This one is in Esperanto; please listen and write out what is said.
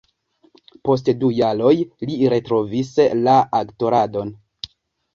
Post du jaroj, li retrovis la aktoradon.